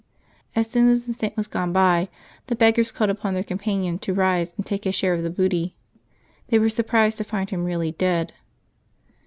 *' As soon as the Saint was gone by, the beggars, calling upon their companion to rise and take his share of the booty, were surprised to find him really dead.